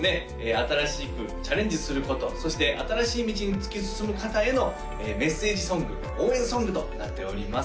新しくチャレンジすることそして新しい道に突き進む方へのメッセージソング応援ソングとなっております